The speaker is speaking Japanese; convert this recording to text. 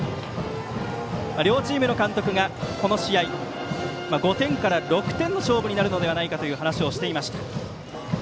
両チームの監督がこの試合、５点から６点の勝負になるのではないかという話をしていました。